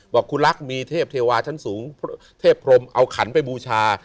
ครูรักมีเทพเทวาชั้นสูงเทพพรมเอาขันไปบูชา